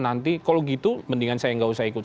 nanti kalau gitu mendingan saya nggak usah ikut